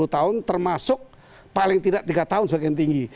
dua puluh tahun termasuk paling tidak tiga tahun sebagai yang tinggi